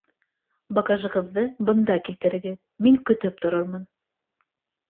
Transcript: Багажығыҙҙы бында килтерегеҙ, мин көтөп торормон